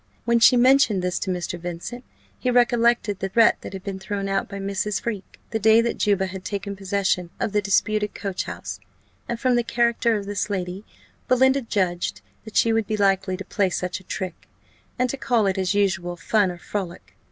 When she mentioned this to Mr. Vincent, he recollected the threat that had been thrown out by Mrs. Freke, the day that Juba had taken possession of the disputed coach house; and from the character of this lady, Belinda judged that she would be likely to play such a trick, and to call it, as usual, fun or frolic.